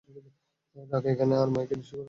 রাখ এখানে আর মাইক নিচু কর।